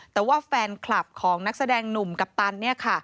แต่ว่าแฟนคลับของนักแสดงหนุ่มกัปตันเนี่ยค่ะ